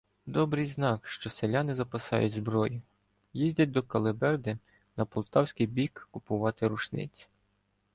Добрий знак, що селяни запасають зброю, їздять до Келеберди па полтавський бік купувати рушниці.